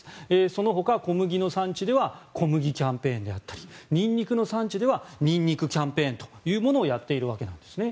そのほか小麦の産地では小麦キャンペーンであったりニンニクの産地ではニンニクキャンペーンをやっているわけですね。